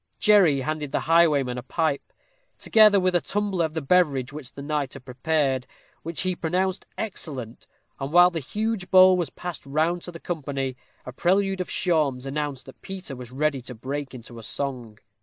Jerry handed the highwayman a pipe, together with a tumbler of the beverage which the knight had prepared, which he pronounced excellent; and while the huge bowl was passed round to the company, a prelude of shawms announced that Peter was ready to break into song.